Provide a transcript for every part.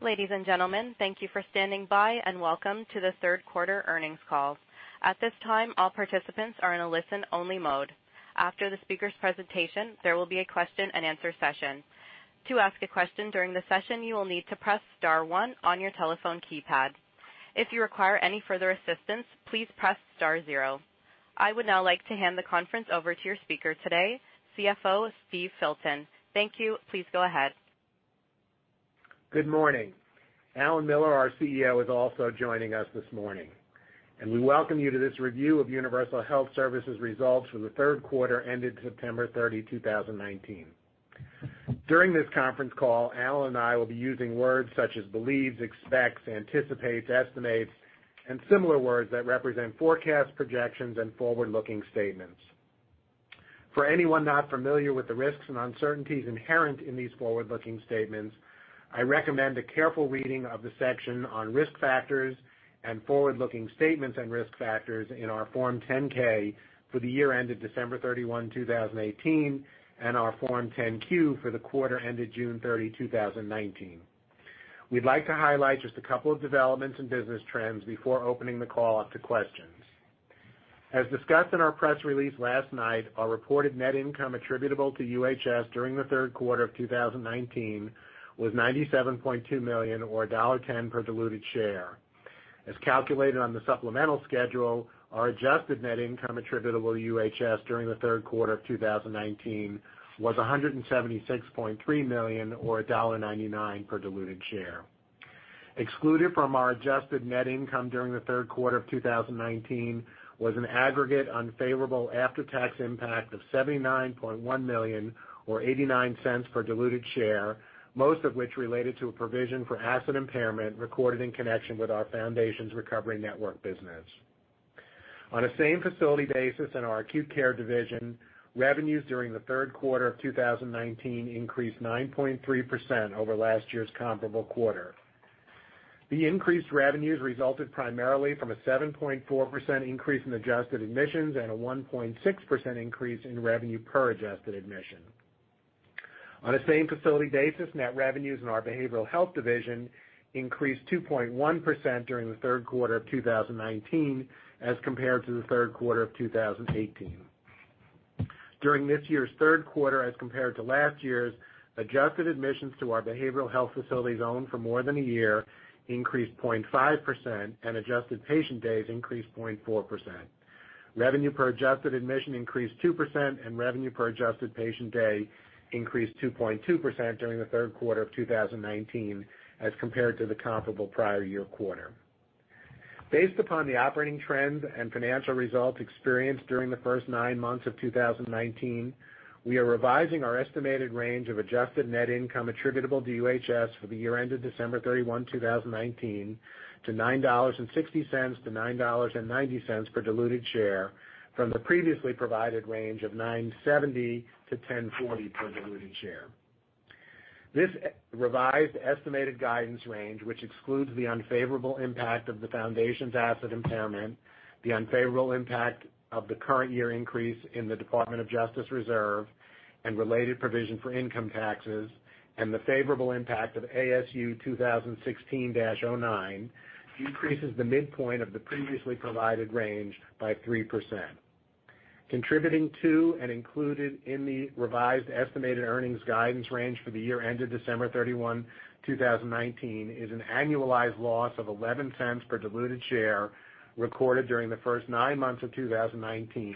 Ladies and gentlemen, thank you for standing by. Welcome to the third quarter earnings call. At this time, all participants are in a listen-only mode. After the speaker's presentation, there will be a question and answer session. To ask a question during the session, you will need to press star one on your telephone keypad. If you require any further assistance, please press star zero. I would now like to hand the conference over to your speaker today, CFO Steve Filton. Thank you. Please go ahead. Good morning. Alan Miller, our CEO, is also joining us this morning. We welcome you to this review of Universal Health Services results for the third quarter ended September 30, 2019. During this conference call, Alan and I will be using words such as believes, expects, anticipates, estimates, and similar words that represent forecast projections and forward-looking statements. For anyone not familiar with the risks and uncertainties inherent in these forward-looking statements, I recommend a careful reading of the section on risk factors and forward-looking statements and risk factors in our Form 10-K for the year ended December 31, 2018, and our Form 10-Q for the quarter ended June 30, 2019. We'd like to highlight just a couple of developments and business trends before opening the call up to questions. As discussed in our press release last night, our reported net income attributable to UHS during the third quarter of 2019 was $97.2 million, or $1.10 per diluted share. As calculated on the supplemental schedule, our adjusted net income attributable to UHS during the third quarter of 2019 was $176.3 million, or $1.99 per diluted share. Excluded from our adjusted net income during the third quarter of 2019 was an aggregate unfavorable after-tax impact of $79.1 million, or $0.89 per diluted share, most of which related to a provision for asset impairment recorded in connection with our Foundations Recovery Network business. On a same-facility basis in our acute care division, revenues during the third quarter of 2019 increased 9.3% over last year's comparable quarter. The increased revenues resulted primarily from a 7.4% increase in adjusted admissions and a 1.6% increase in revenue per adjusted admission. On a same-facility basis, net revenues in our behavioral health division increased 2.1% during the third quarter of 2019 as compared to the third quarter of 2018. During this year's third quarter as compared to last year's, adjusted admissions to our behavioral health facilities owned for more than a year increased 0.5%, and adjusted patient days increased 0.4%. Revenue per adjusted admission increased 2%, and revenue per adjusted patient day increased 2.2% during the third quarter of 2019 as compared to the comparable prior year quarter. Based upon the operating trends and financial results experienced during the first nine months of 2019, we are revising our estimated range of adjusted net income attributable to UHS for the year ended December 31, 2019, to $9.60-$9.90 per diluted share from the previously provided range of $9.70-$10.40 per diluted share. This revised estimated guidance range, which excludes the unfavorable impact of the Foundations' asset impairment, the unfavorable impact of the current year increase in the Department of Justice reserve and related provision for income taxes, and the favorable impact of ASU 2016-09, increases the midpoint of the previously provided range by 3%. Contributing to and included in the revised estimated earnings guidance range for the year ended December 31, 2019, is an annualized loss of $0.11 per diluted share recorded during the first nine months of 2019,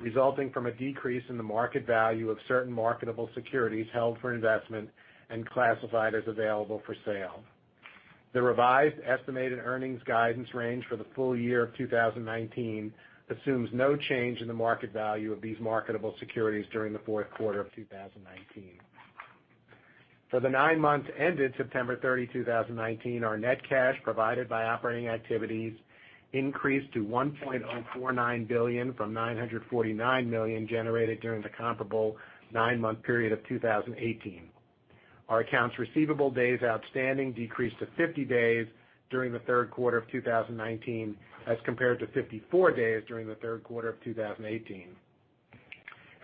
resulting from a decrease in the market value of certain marketable securities held for investment and classified as available for sale. The revised estimated earnings guidance range for the full year of 2019 assumes no change in the market value of these marketable securities during the fourth quarter of 2019. For the nine months ended September 30, 2019, our net cash provided by operating activities increased to $1.049 billion from $949 million generated during the comparable nine-month period of 2018. Our accounts receivable days outstanding decreased to 50 days during the third quarter of 2019 as compared to 54 days during the third quarter of 2018.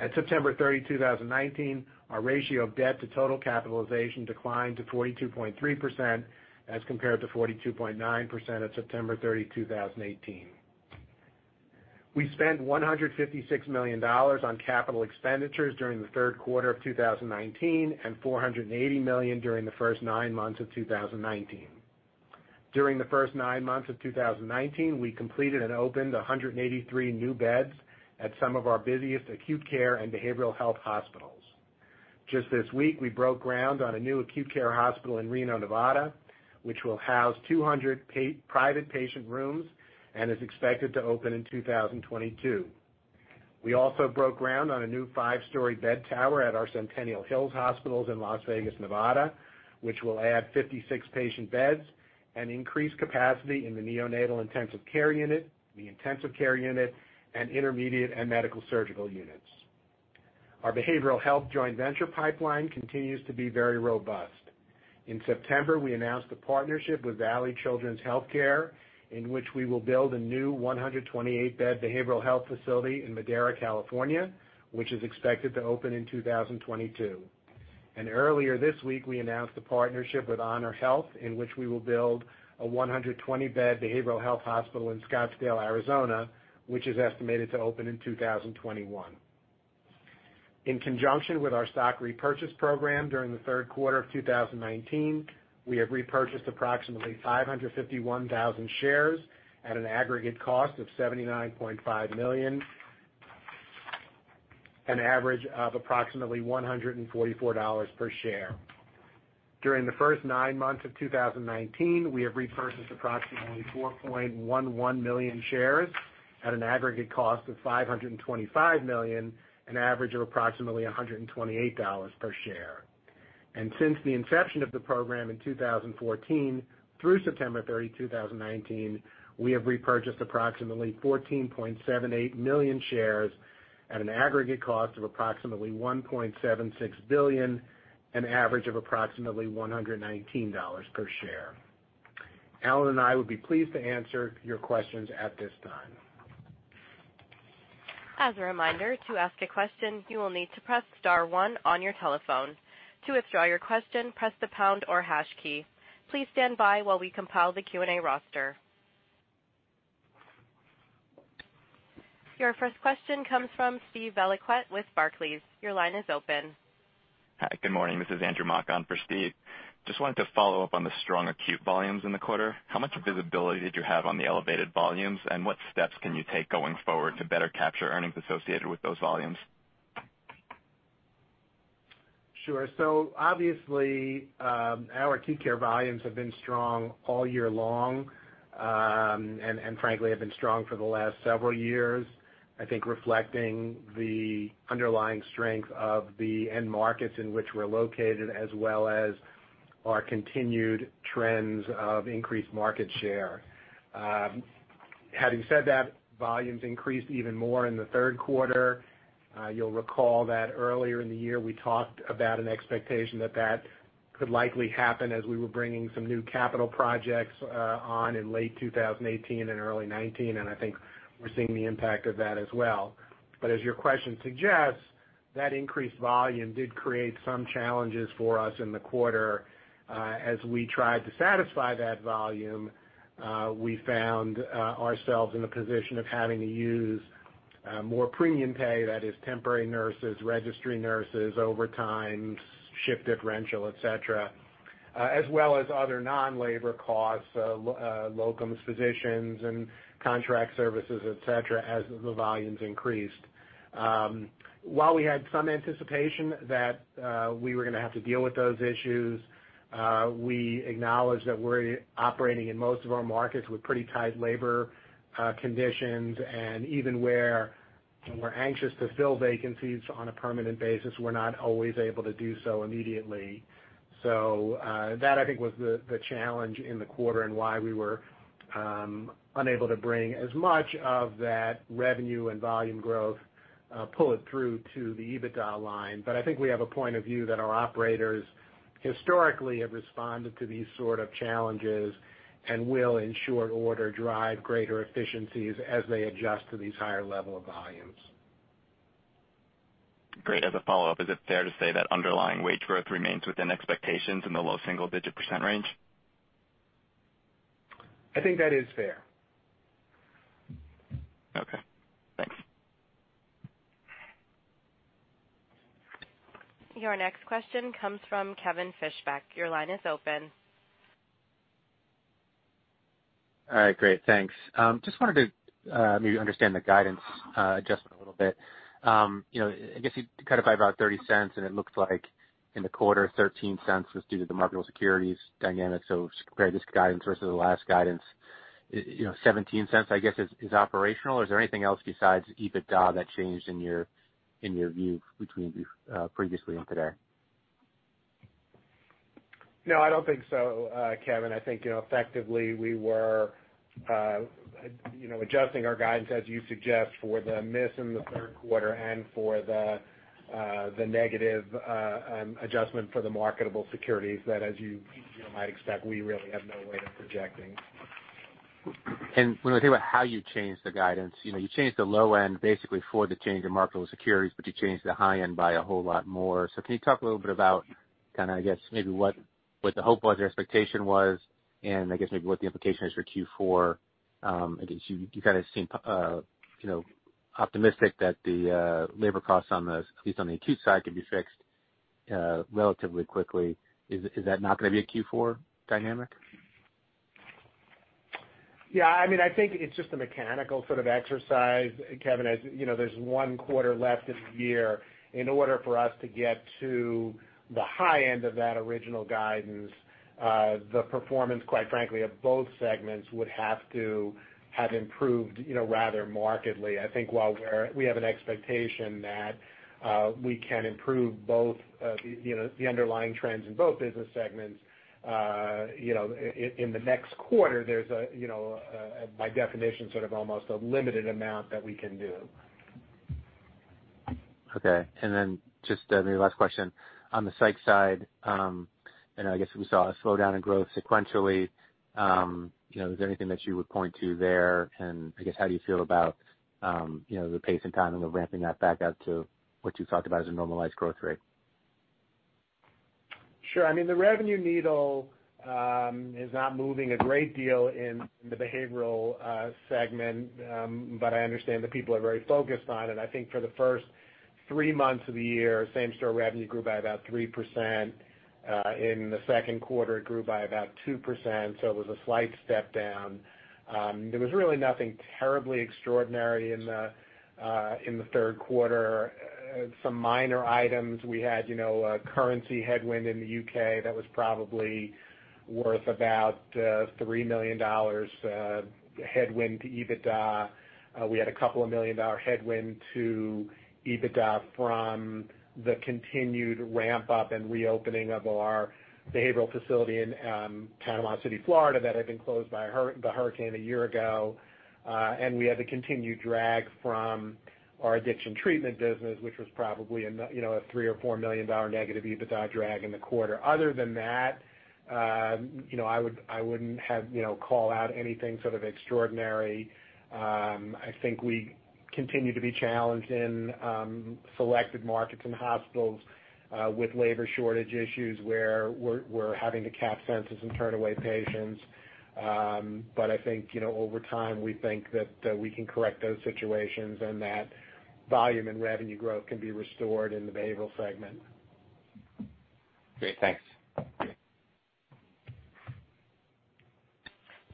At September 30, 2019, our ratio of debt to total capitalization declined to 42.3% as compared to 42.9% at September 30, 2018. We spent $156 million on capital expenditures during the third quarter of 2019 and $480 million during the first nine months of 2019. During the first nine months of 2019, we completed and opened 183 new beds at some of our busiest acute care and behavioral health hospitals. Just this week, we broke ground on a new acute care hospital in Reno, Nevada, which will house 200 private patient rooms and is expected to open in 2022. We also broke ground on a new five-story bed tower at our Centennial Hills hospitals in Las Vegas, Nevada, which will add 56 patient beds and increase capacity in the neonatal intensive care unit, the intensive care unit, and intermediate and medical surgical units. Our behavioral health joint venture pipeline continues to be very robust. In September, we announced a partnership with Valley Children's Healthcare in which we will build a new 128-bed behavioral health facility in Madera, California, which is expected to open in 2022. Earlier this week, we announced a partnership with HonorHealth in which we will build a 120-bed behavioral health hospital in Scottsdale, Arizona, which is estimated to open in 2021. In conjunction with our stock repurchase program during the third quarter of 2019, we have repurchased approximately 551,000 shares at an aggregate cost of $79.5 million, an average of approximately $144 per share. During the first nine months of 2019, we have repurchased approximately 4.11 million shares at an aggregate cost of $525 million, an average of approximately $128 per share. Since the inception of the program in 2014 through September 30, 2019, we have repurchased approximately 14.78 million shares at an aggregate cost of approximately $1.76 billion, an average of approximately $119 per share. Alan and I would be pleased to answer your questions at this time. As a reminder, to ask a question, you will need to press star one on your telephone. To withdraw your question, press the pound or hash key. Please stand by while we compile the Q&A roster. Your first question comes from Steven Valiquette with Barclays. Your line is open. Hi, good morning. This is Andrew Mok for Steve. Just wanted to follow up on the strong acute volumes in the quarter. How much visibility did you have on the elevated volumes, and what steps can you take going forward to better capture earnings associated with those volumes? Sure. Obviously, our acute care volumes have been strong all year long, and frankly, have been strong for the last several years. I think reflecting the underlying strength of the end markets in which we're located, as well as our continued trends of increased market share. Having said that, volumes increased even more in the third quarter. You'll recall that earlier in the year, we talked about an expectation that that could likely happen as we were bringing some new capital projects on in late 2018 and early 2019, I think we're seeing the impact of that as well. As your question suggests, that increased volume did create some challenges for us in the quarter. As we tried to satisfy that volume, we found ourselves in the position of having to use more premium pay, that is temporary nurses, registry nurses, overtime, shift differential, et cetera, as well as other non-labor costs, locums, physicians, and contract services, et cetera, as the volumes increased. While we had some anticipation that we were going to have to deal with those issues, we acknowledge that we're operating in most of our markets with pretty tight labor conditions, and even where we're anxious to fill vacancies on a permanent basis, we're not always able to do so immediately. That, I think, was the challenge in the quarter and why we were unable to bring as much of that revenue and volume growth, pull it through to the EBITDA line. I think we have a point of view that our operators historically have responded to these sort of challenges and will, in short order, drive greater efficiencies as they adjust to these higher level of volumes. Great. As a follow-up, is it fair to say that underlying wage growth remains within expectations in the low single-digit % range? I think that is fair. Okay, thanks. Your next question comes from Kevin Fischbeck. Your line is open. All right, great. Thanks. Just wanted to maybe understand the guidance adjustment a little bit. I guess you clarified about $0.30, and it looks like in the quarter, $0.13 was due to the marketable securities dynamic. Compare this guidance versus the last guidance, $0.17, I guess, is operational. Is there anything else besides EBITDA that changed in your view between previously and today? I don't think so, Kevin. I think effectively, we were adjusting our guidance, as you suggest, for the miss in the third quarter and for the negative adjustment for the marketable securities that, as you might expect, we really have no way of projecting. When we think about how you changed the guidance, you changed the low end basically for the change in marketable securities, but you changed the high end by a whole lot more. Can you talk a little bit about, I guess maybe what the hope was or expectation was and I guess maybe what the implication is for Q4? I guess you kind of seem optimistic that the labor costs on the, at least on the acute side, can be fixed relatively quickly. Is that not going to be a Q4 dynamic? Yeah, I think it's just a mechanical sort of exercise, Kevin. There's one quarter left this year. In order for us to get to the high end of that original guidance, the performance, quite frankly, of both segments would have to have improved rather markedly. I think while we have an expectation that we can improve both the underlying trends in both business segments, in the next quarter, there's, by definition, sort of almost a limited amount that we can do. Okay. Just maybe last question. On the psych side, I guess we saw a slowdown in growth sequentially. Is there anything that you would point to there? I guess how do you feel about the pace and timing of ramping that back up to what you talked about as a normalized growth rate? Sure. The revenue needle is not moving a great deal in the behavioral segment, but I understand that people are very focused on it. I think for the first three months of the year, same-store revenue grew by about 3%. In the second quarter, it grew by about 2%, so it was a slight step down. There was really nothing terribly extraordinary in the third quarter. Some minor items. We had a currency headwind in the U.K. that was probably worth about $3 million headwind to EBITDA. We had a $2 million headwind to EBITDA from the continued ramp-up and reopening of our behavioral facility in Panama City, Florida, that had been closed by the hurricane a year ago. We had the continued drag from our addiction treatment business, which was probably a $3 million or $4 million negative EBITDA drag in the quarter. Other than that, I wouldn't call out anything extraordinary. I think we continue to be challenged in selected markets and hospitals with labor shortage issues, where we're having to cap census and turn away patients. I think, over time, we think that we can correct those situations and that volume and revenue growth can be restored in the behavioral segment. Great. Thanks.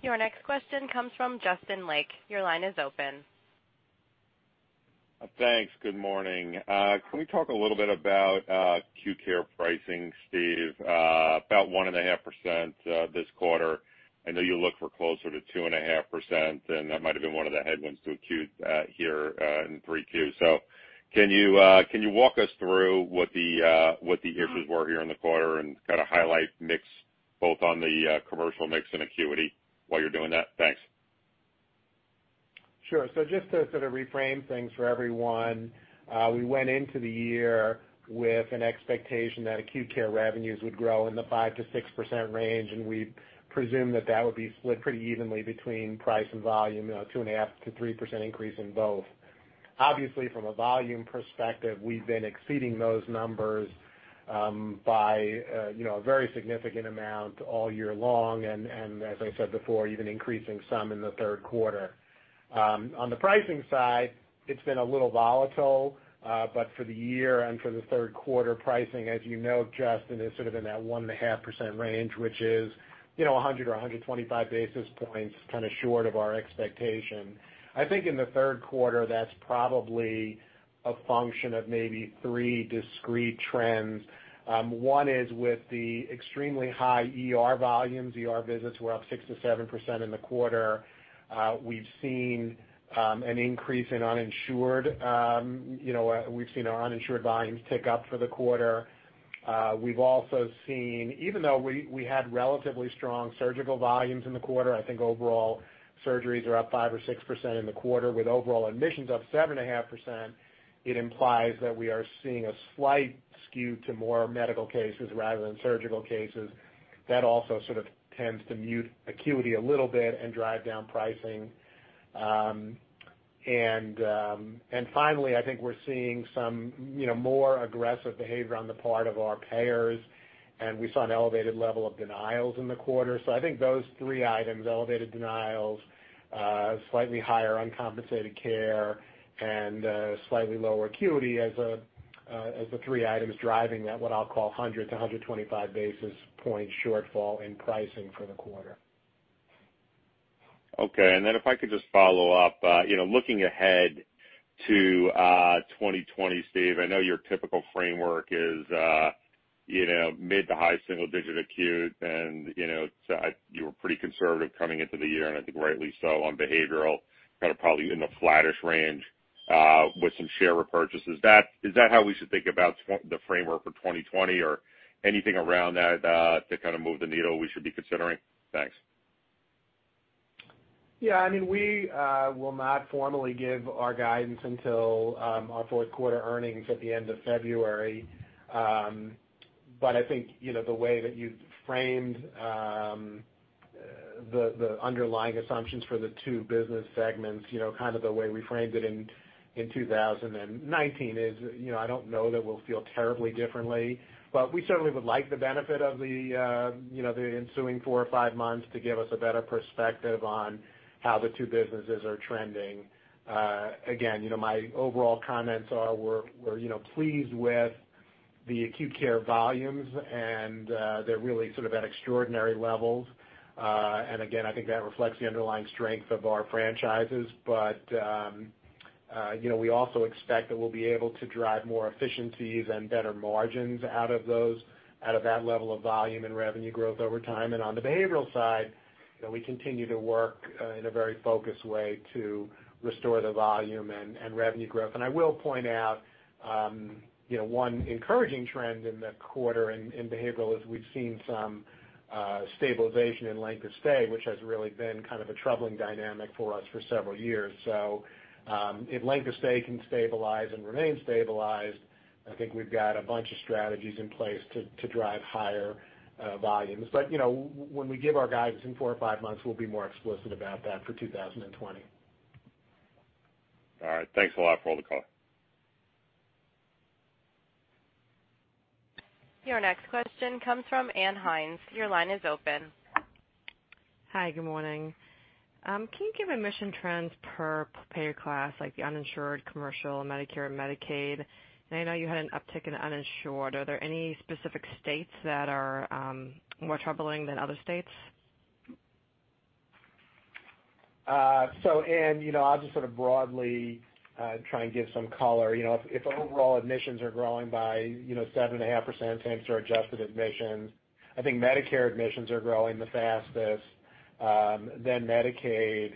Your next question comes from Justin Lake. Your line is open. Thanks. Good morning. Can we talk a little bit about acute care pricing, Steve? About 1.5% this quarter. I know you look for closer to 2.5%, and that might have been one of the headwinds to acute here in 3Q. Can you walk us through what the issues were here in the quarter and highlight mix both on the commercial mix and acuity while you're doing that? Thanks. Sure. Just to reframe things for everyone, we went into the year with an expectation that acute care revenues would grow in the 5%-6% range, and we presume that that would be split pretty evenly between price and volume, 2.5%-3% increase in both. Obviously, from a volume perspective, we've been exceeding those numbers by a very significant amount all year long and, as I said before, even increasing some in the third quarter. On the pricing side, it's been a little volatile. For the year and for the third quarter pricing, as you know, Justin Lake, is in that 1.5% range, which is 100 or 125 basis points short of our expectation. I think in the third quarter, that's probably a function of maybe three discrete trends. One is with the extremely high ER volumes. ER visits were up 6%-7% in the quarter. We've seen an increase in uninsured. We've seen our uninsured volumes tick up for the quarter. Even though we had relatively strong surgical volumes in the quarter, I think overall surgeries are up 5% or 6% in the quarter with overall admissions up 7.5%, it implies that we are seeing a slight skew to more medical cases rather than surgical cases. That also tends to mute acuity a little bit and drive down pricing. Finally, I think we're seeing some more aggressive behavior on the part of our payers, and we saw an elevated level of denials in the quarter. I think those three items, elevated denials, slightly higher uncompensated care, and slightly lower acuity as the three items driving that, what I'll call 100 to 125 basis point shortfall in pricing for the quarter. Okay. Then if I could just follow up. Looking ahead to 2020, Steve, I know your typical framework is mid to high single-digit acute, and you were pretty conservative coming into the year, and I think rightly so on behavioral, probably in the flattish range with some share repurchases. Is that how we should think about the framework for 2020, or anything around that to move the needle we should be considering? Thanks. Yeah. We will not formally give our guidance until our fourth quarter earnings at the end of February. I think, the way that you framed the underlying assumptions for the two business segments, the way we framed it in 2019 is, I don't know that we'll feel terribly differently. We certainly would like the benefit of the ensuing four or five months to give us a better perspective on how the two businesses are trending. Again, my overall comments are we're pleased with the acute care volumes, and they're really at extraordinary levels. Again, I think that reflects the underlying strength of our franchises. We also expect that we'll be able to drive more efficiencies and better margins out of that level of volume and revenue growth over time. On the behavioral side, we continue to work in a very focused way to restore the volume and revenue growth. I will point out, one encouraging trend in the quarter in behavioral is we've seen some stabilization in length of stay, which has really been a troubling dynamic for us for several years. If length of stay can stabilize and remain stabilized, I think we've got a bunch of strategies in place to drive higher volumes. When we give our guidance in four or five months, we'll be more explicit about that for 2020. All right. Thanks a lot for all the color. Your next question comes from Ann Hynes. Your line is open. Hi, good morning. Can you give admission trends per payer class, like the uninsured, commercial, Medicare, and Medicaid? I know you had an uptick in uninsured. Are there any specific states that are more troubling than other states? Ann, I'll just broadly try and give some color. If overall admissions are growing by 7.5% in terms to our adjusted admissions, I think Medicare admissions are growing the fastest, then Medicaid,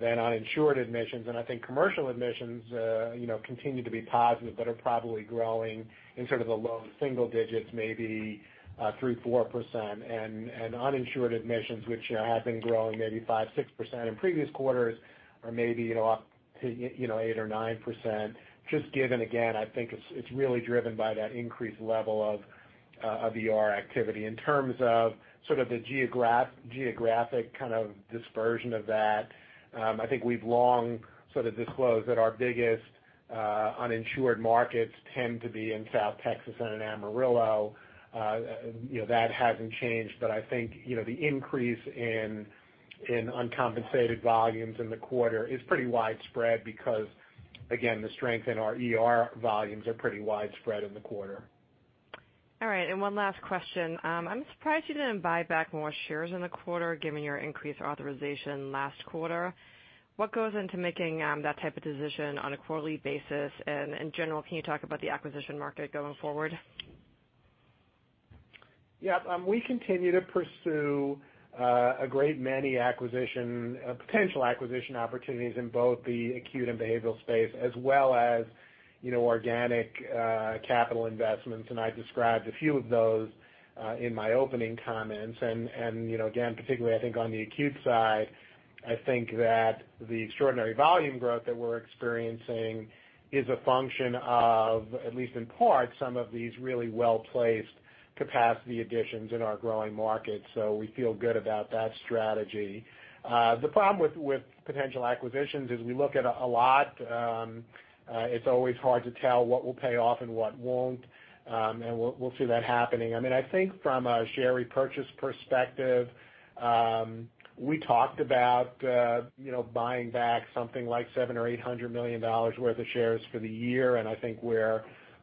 then uninsured admissions. I think commercial admissions continue to be positive but are probably growing in the low single digits, maybe 3%-4%. Uninsured admissions, which have been growing maybe 5%-6% in previous quarters, are maybe up to 8% or 9%, just given, again, I think it's really driven by that increased level of ER activity. In terms of the geographic kind of dispersion of that, I think we've long sort of disclosed that our biggest uninsured markets tend to be in South Texas and in Amarillo. That hasn't changed, but I think, the increase in uncompensated volumes in the quarter is pretty widespread because, again, the strength in our ER volumes are pretty widespread in the quarter. All right. One last question. I'm surprised you didn't buy back more shares in the quarter given your increased authorization last quarter. What goes into making that type of decision on a quarterly basis? In general, can you talk about the acquisition market going forward? Yeah. We continue to pursue a great many potential acquisition opportunities in both the acute and behavioral space, as well as organic capital investments. I described a few of those in my opening comments. Again, particularly I think on the acute side, I think that the extraordinary volume growth that we're experiencing is a function of, at least in part, some of these really well-placed capacity additions in our growing markets. We feel good about that strategy. The problem with potential acquisitions is we look at a lot. It's always hard to tell what will pay off and what won't, and we'll see that happening. I think from a share repurchase perspective, we talked about buying back something like $700 or $800 million worth of shares for the year, and I think we're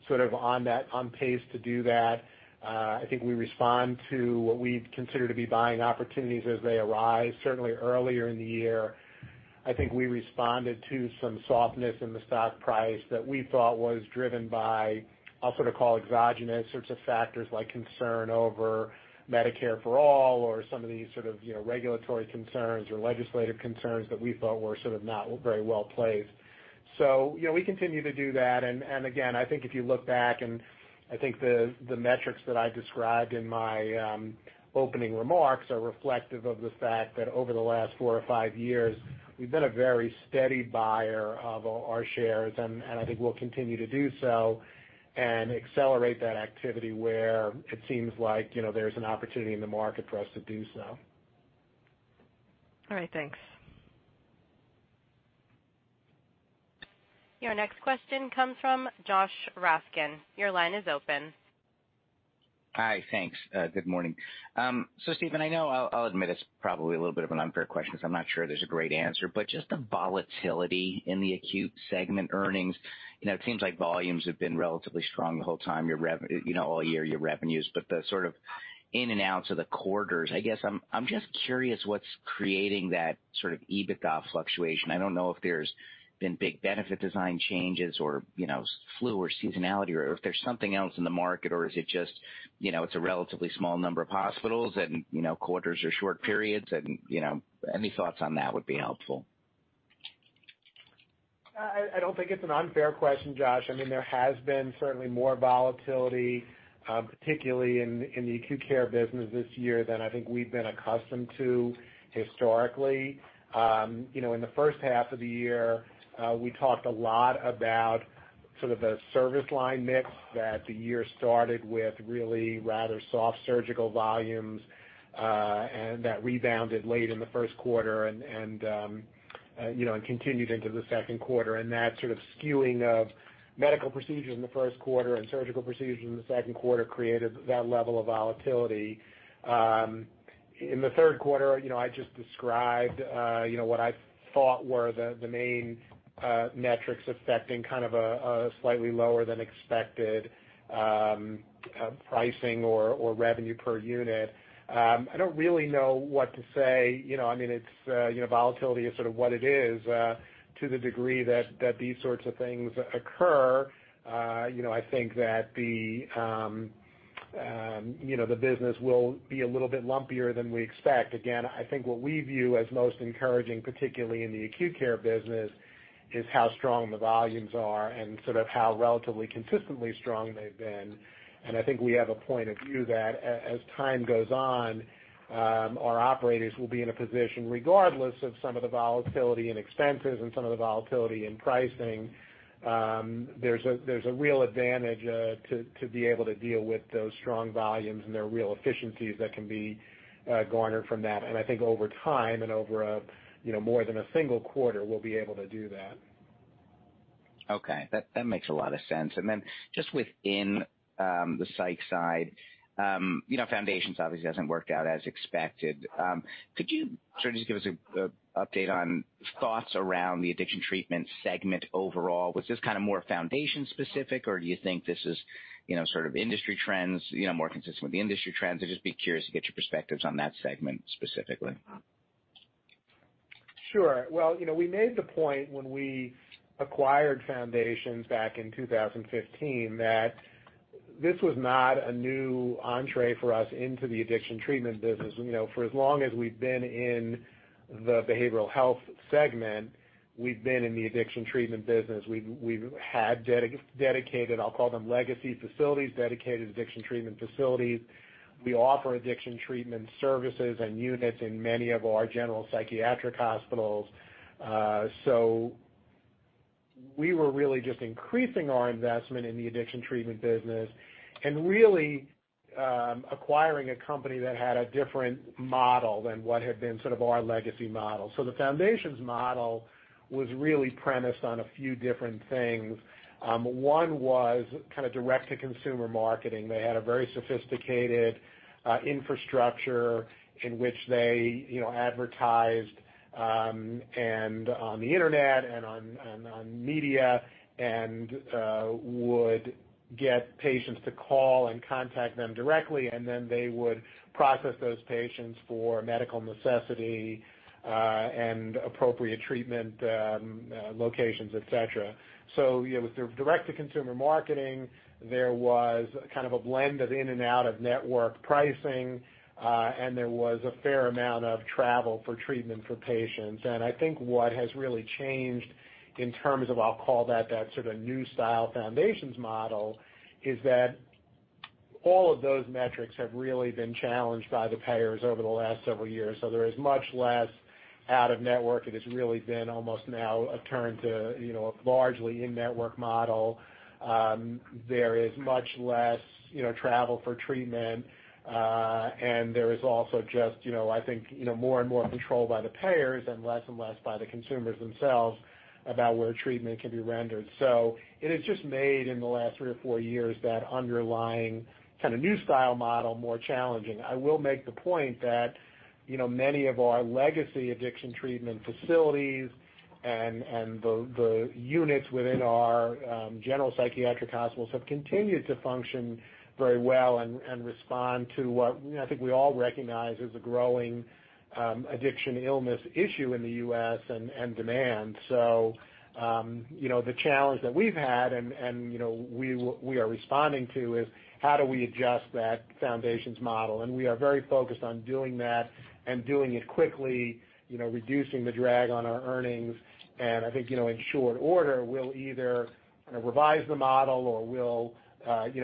on pace to do that. I think we respond to what we'd consider to be buying opportunities as they arise. Certainly earlier in the year, I think we responded to some softness in the stock price that we thought was driven by, I'll sort of call exogenous sorts of factors, like concern over Medicare for All or some of these sort of regulatory concerns or legislative concerns that we thought were sort of not very well-placed. We continue to do that, and again, I think if you look back, and I think the metrics that I described in my opening remarks are reflective of the fact that over the last four or five years, we've been a very steady buyer of our shares, and I think we'll continue to do so and accelerate that activity where it seems like there's an opportunity in the market for us to do so. All right. Thanks. Your next question comes from Josh Raskin. Your line is open. Hi, thanks. Good morning. Steven, I know I'll admit it's probably a little bit of an unfair question because I'm not sure there's a great answer, but just the volatility in the acute segment earnings. It seems like volumes have been relatively strong the whole time, all year, your revenues. The sort of in and outs of the quarters, I guess I'm just curious what's creating that sort of EBITDA fluctuation. I don't know if there's been big benefit design changes or flu or seasonality, or if there's something else in the market, or is it just, it's a relatively small number of hospitals and quarters or short periods, and any thoughts on that would be helpful. I don't think it's an unfair question, Josh. There has been certainly more volatility, particularly in the acute care business this year than I think we've been accustomed to historically. In the first half of the year, we talked a lot about sort of the service line mix that the year started with really rather soft surgical volumes, and that rebounded late in the first quarter and continued into the second quarter. That sort of skewing of medical procedures in the first quarter and surgical procedures in the second quarter created that level of volatility. In the third quarter, I just described what I thought were the main metrics affecting kind of a slightly lower than expected pricing or revenue per unit. I don't really know what to say. Volatility is sort of what it is, to the degree that these sorts of things occur. I think that the business will be a little bit lumpier than we expect. Again, I think what we view as most encouraging, particularly in the acute care business, is how strong the volumes are and sort of how relatively consistently strong they've been. I think we have a point of view that as time goes on, our operators will be in a position, regardless of some of the volatility in expenses and some of the volatility in pricing, there's a real advantage to be able to deal with those strong volumes, and there are real efficiencies that can be garnered from that. I think over time and over more than a single quarter, we'll be able to do that. Okay. That makes a lot of sense. Then just within the psych side, Foundations obviously hasn't worked out as expected. Could you sort of just give us an update on thoughts around the addiction treatment segment overall? Was this more Foundations-specific, or do you think this is more consistent with the industry trends? I'd just be curious to get your perspectives on that segment specifically. Sure. Well, we made the point when we acquired Foundations back in 2015 that this was not a new entrée for us into the addiction treatment business. For as long as we've been in the behavioral health segment, we've been in the addiction treatment business. We've had dedicated, I'll call them legacy facilities, dedicated addiction treatment facilities. We offer addiction treatment services and units in many of our general psychiatric hospitals. We were really just increasing our investment in the addiction treatment business and really acquiring a company that had a different model than what had been sort of our legacy model. The Foundations model was really premised on a few different things. One was kind of direct-to-consumer marketing. They had a very sophisticated infrastructure in which they advertised on the internet and on media and would get patients to call and contact them directly, and then they would process those patients for medical necessity and appropriate treatment locations, et cetera. With their direct-to-consumer marketing, there was kind of a blend of in and out-of-network pricing. There was a fair amount of travel for treatment for patients. I think what has really changed in terms of, I'll call that sort of new style Foundations model, is that all of those metrics have really been challenged by the payers over the last several years. There is much less out-of-network. It has really been almost now a turn to largely in-network model. There is much less travel for treatment. There is also just, I think, more and more control by the payers and less and less by the consumers themselves about where treatment can be rendered. It has just made, in the last three or four years, that underlying kind of new style model more challenging. I will make the point that many of our legacy addiction treatment facilities and the units within our general psychiatric hospitals have continued to function very well and respond to what I think we all recognize as a growing addiction illness issue in the U.S. and demand. The challenge that we've had and we are responding to is how do we adjust that Foundations model? We are very focused on doing that and doing it quickly, reducing the drag on our earnings. I think, in short order, we'll either revise the model or we'll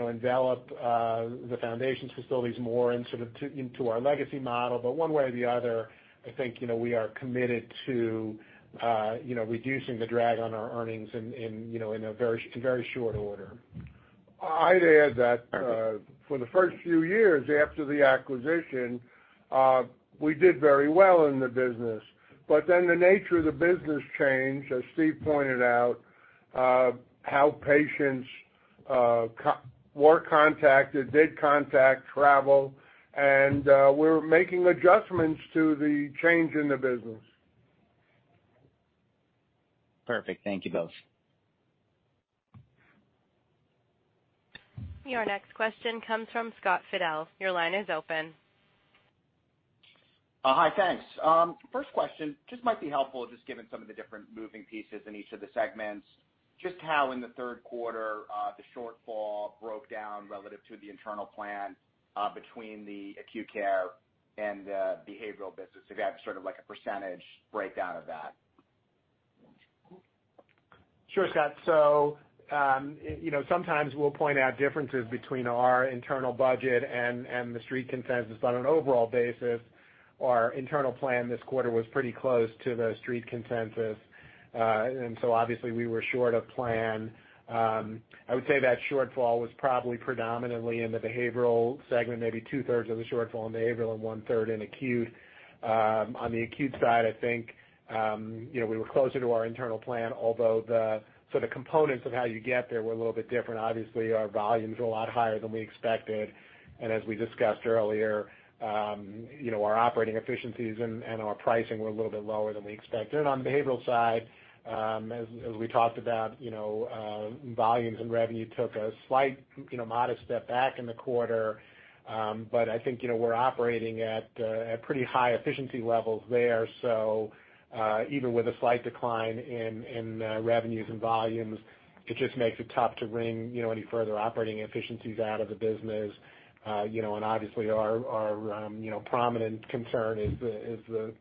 envelop the Foundations facilities more into our legacy model. One way or the other, I think, we are committed to reducing the drag on our earnings in a very short order. I'd add that for the first few years after the acquisition, we did very well in the business. The nature of the business changed, as Steve pointed out, how patients were contacted, did contact, travel, and we're making adjustments to the change in the business. Perfect. Thank you both. Your next question comes from Scott Fidel. Your line is open. Hi, thanks. First question. Just might be helpful, just given some of the different moving pieces in each of the segments, just how in the third quarter the shortfall broke down relative to the internal plan between the acute care and the behavioral business. If you have sort of like a percentage breakdown of that. Sure, Scott. Sometimes we'll point out differences between our internal budget and the Street consensus. On an overall basis, our internal plan this quarter was pretty close to the Street consensus. Obviously, we were short of plan. I would say that shortfall was probably predominantly in the behavioral segment, maybe two-thirds of the shortfall in behavioral and one-third in acute. On the acute side, I think we were closer to our internal plan, although the sort of components of how you get there were a little bit different. Obviously, our volumes were a lot higher than we expected. As we discussed earlier, our operating efficiencies and our pricing were a little bit lower than we expected. On the behavioral side, as we talked about, volumes and revenue took a slight modest step back in the quarter. I think we're operating at pretty high efficiency levels there. Even with a slight decline in revenues and volumes, it just makes it tough to wring any further operating efficiencies out of the business. Obviously our prominent concern is the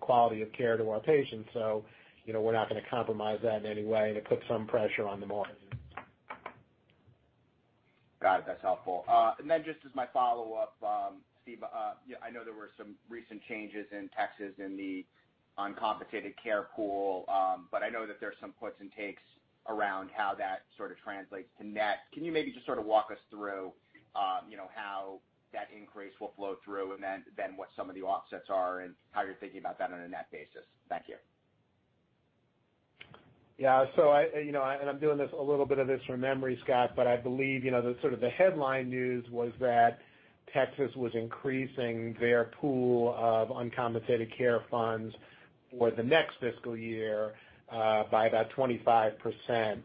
quality of care to our patients, so we're not going to compromise that in any way to put some pressure on the margin. Got it. That's helpful. Just as my follow-up, Steve, I know there were some recent changes in Texas in the uncompensated care pool. I know that there's some puts and takes around how that sort of translates to net. Can you maybe just sort of walk us through how increase will flow through, and then what some of the offsets are, and how you're thinking about that on a net basis. Thank you. Yeah. I'm doing a little bit of this from memory, Scott, but I believe, the headline news was that Texas was increasing their pool of uncompensated care funds for the next fiscal year, by about 25%.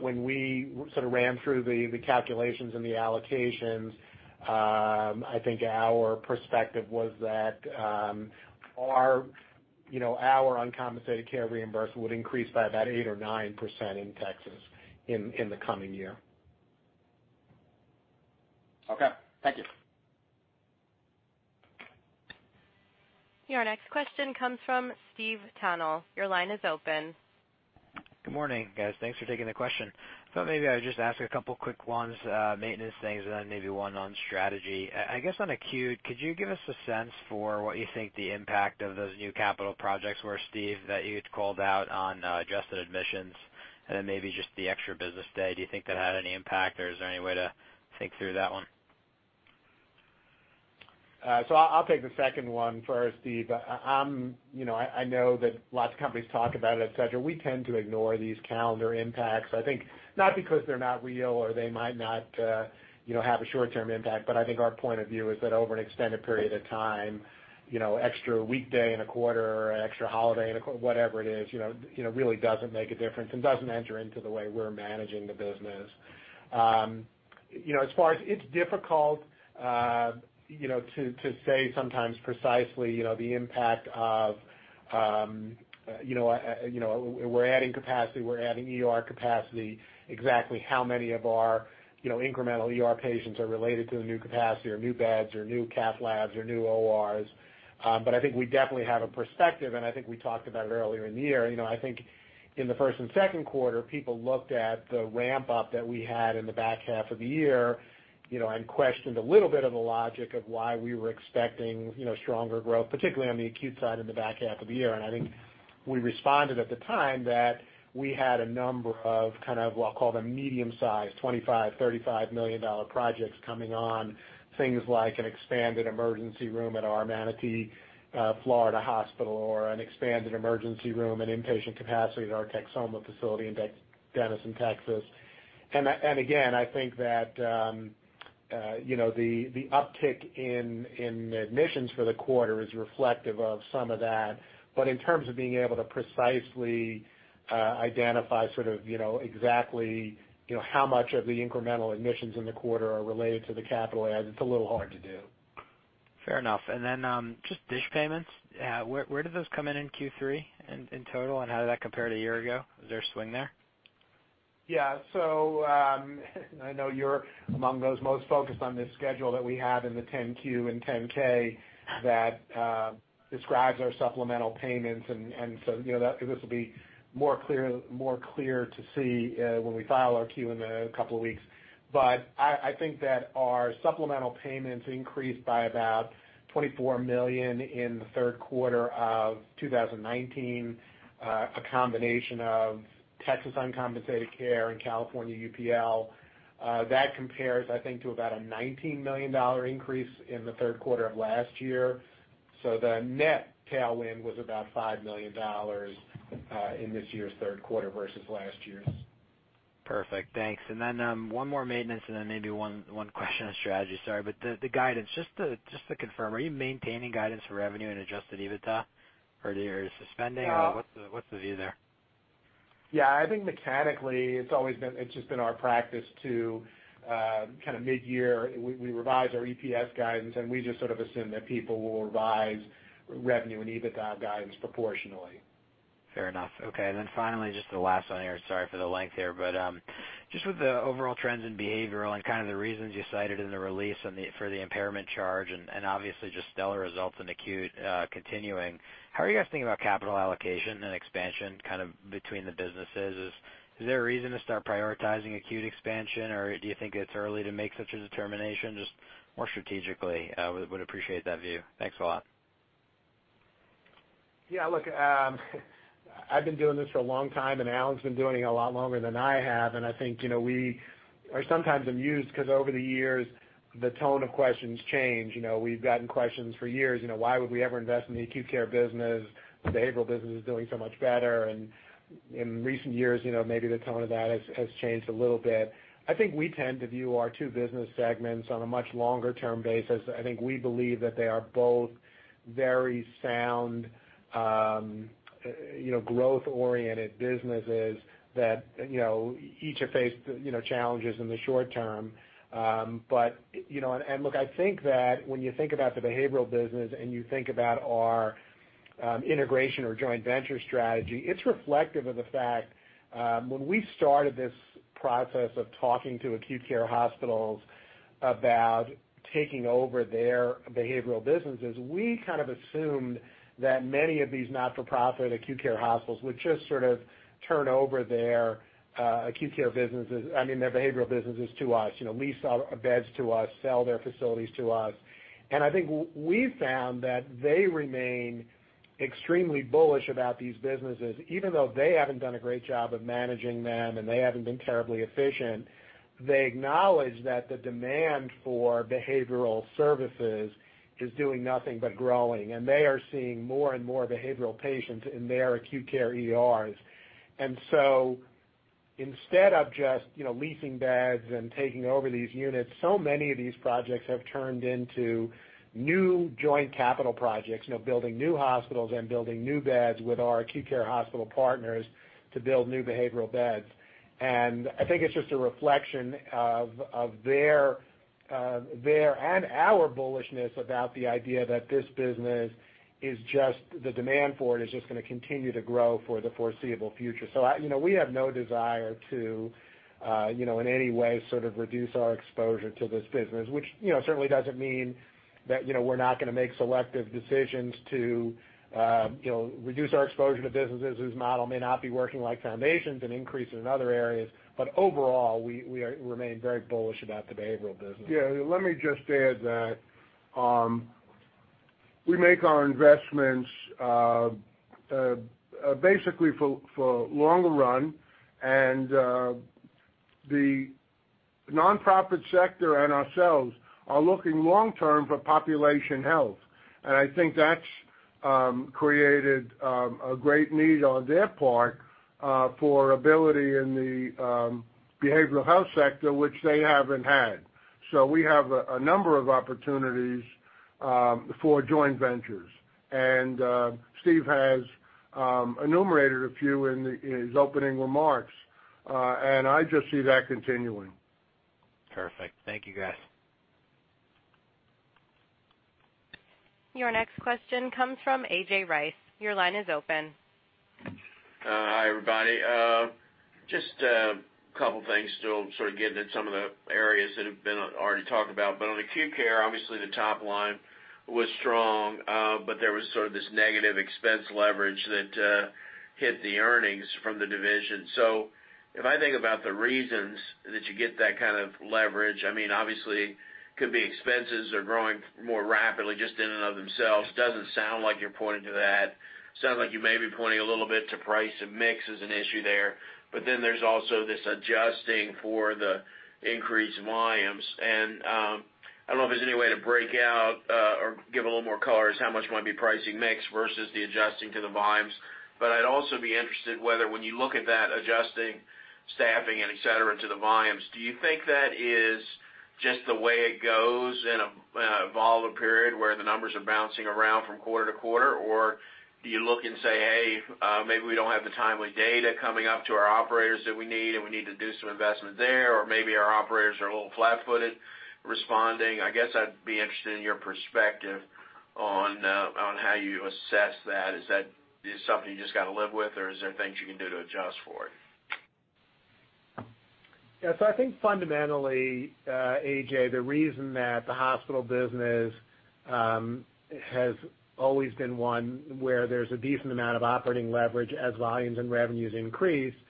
When we ran through the calculations and the allocations, I think our perspective was that our uncompensated care reimbursement would increase by about 8% or 9% in Texas in the coming year. Okay. Thank you. Your next question comes from Steve Tanal. Your line is open. Good morning, guys. Thanks for taking the question. Thought maybe I would just ask a couple quick ones, maintenance things, and then maybe one on strategy. I guess on acute, could you give us a sense for what you think the impact of those new capital projects were, Steve, that you had called out on adjusted admissions, and then maybe just the extra business day. Do you think that had any impact, or is there any way to think through that one? I'll take the second one first, Steve. I know that lots of companies talk about it, et cetera. We tend to ignore these calendar impacts, I think not because they're not real or they might not have a short-term impact, but I think our point of view is that over an extended period of time, extra weekday and a quarter or extra holiday and a quarter, whatever it is, really doesn't make a difference and doesn't enter into the way we're managing the business. It's difficult to say sometimes precisely, the impact of we're adding capacity, we're adding ER capacity. Exactly how many of our incremental ER patients are related to the new capacity or new beds or new cath labs or new ORs. I think we definitely have a perspective, and I think we talked about it earlier in the year. I think in the first and second quarter, people looked at the ramp-up that we had in the back half of the year, and questioned a little bit of the logic of why we were expecting stronger growth, particularly on the acute side in the back half of the year. I think we responded at the time that we had a number of what I'll call the medium size, 25, $35 million projects coming on, things like an expanded emergency room at our Manatee, Florida hospital or an expanded emergency room and inpatient capacity at our Texoma facility in Denison, Texas. Again, I think that the uptick in admissions for the quarter is reflective of some of that. In terms of being able to precisely identify exactly how much of the incremental admissions in the quarter are related to the capital adds, it's a little hard to do. Then, just DSH payments. Where did those come in in Q3 in total, and how did that compare to a year ago? Is there a swing there? Yeah. I know you're among those most focused on this schedule that we have in the 10-Q and 10-K that describes our supplemental payments. This will be more clear to see when we file our Q in a couple of weeks. I think that our supplemental payments increased by about $24 million in the third quarter of 2019, a combination of Texas uncompensated care and California UPL. That compares, I think, to about a $19 million increase in the third quarter of last year. The net tailwind was about $5 million in this year's third quarter versus last year's. Perfect. Thanks. Then, one more maintenance and then maybe one question on strategy. Sorry. The guidance, just to confirm, are you maintaining guidance for revenue and adjusted EBITDA? Are you suspending, or what's the view there? Yeah, I think mechanically, it's just been our practice to mid-year, we revise our EPS guidance, and we just assume that people will revise revenue and EBITDA guidance proportionally. Fair enough. Okay. Finally, just the last one here. Sorry for the length here, just with the overall trends in Behavioral and the reasons you cited in the release for the impairment charge and obviously just stellar results in Acute continuing, how are you guys thinking about capital allocation and expansion between the businesses? Is there a reason to start prioritizing Acute expansion, or do you think it's early to make such a determination? Just more strategically, would appreciate that view. Thanks a lot. Yeah, look, I've been doing this a long time, and Alan's been doing it a lot longer than I have, and I think, we are sometimes amused because over the years, the tone of questions change. We've gotten questions for years, why would we ever invest in the acute care business? The behavioral business is doing so much better, and in recent years, maybe the tone of that has changed a little bit. I think we tend to view our two business segments on a much longer-term basis. I think we believe that they are both very sound, growth-oriented businesses that each have faced challenges in the short term. Look, I think that when you think about the behavioral business and you think about our integration or joint venture strategy, it's reflective of the fact, when we started this process of talking to acute care hospitals about taking over their behavioral businesses, we kind of assumed that many of these not-for-profit acute care hospitals would just turn over their behavioral businesses to us, lease out beds to us, sell their facilities to us. I think we found that they remain extremely bullish about these businesses, even though they haven't done a great job of managing them and they haven't been terribly efficient. They acknowledge that the demand for behavioral services is doing nothing but growing, and they are seeing more and more behavioral patients in their acute care ERs. Instead of just leasing beds and taking over these units, so many of these projects have turned into new joint capital projects, building new hospitals and building new beds with our acute care hospital partners to build new behavioral beds. I think it's just a reflection of their and our bullishness about the idea that this business, the demand for it is just going to continue to grow for the foreseeable future. We have no desire to, in any way, reduce our exposure to this business, which certainly doesn't mean that we're not going to make selective decisions to reduce our exposure to businesses whose model may not be working, like Foundations, and increase it in other areas. Overall, we remain very bullish about the behavioral business. Yeah. Let me just add that we make our investments basically for longer run, and the nonprofit sector and ourselves are looking long-term for population health. I think that's created a great need on their part for ability in the behavioral health sector, which they haven't had. We have a number of opportunities for joint ventures. Steve has enumerated a few in his opening remarks. I just see that continuing. Perfect. Thank you, guys. Your next question comes from A.J. Rice. Your line is open. Hi, everybody. Just a couple of things to sort of get into some of the areas that have been already talked about. On acute care, obviously the top line was strong, but there was sort of this negative expense leverage that hit the earnings from the division. If I think about the reasons that you get that kind of leverage, obviously, it could be expenses are growing more rapidly just in and of themselves. Doesn't sound like you're pointing to that. Sounds like you may be pointing a little bit to price and mix as an issue there. Then there's also this adjusting for the increased volumes. I don't know if there's any way to break out or give a little more color as to how much might be pricing mix versus the adjusting to the volumes. I'd also be interested whether when you look at that adjusting, staffing, and et cetera, to the volumes, do you think that is just the way it goes in a volatile period where the numbers are bouncing around from quarter to quarter? Do you look and say, "Hey, maybe we don't have the timely data coming up to our operators that we need, and we need to do some investment there," or maybe our operators are a little flat-footed responding? I guess I'd be interested in your perspective on how you assess that. Is that something you just got to live with, or are there things you can do to adjust for it? Yeah. I think fundamentally, A.J., the reason that the hospital business has always been one where there's a decent amount of operating leverage as volumes and revenues increase is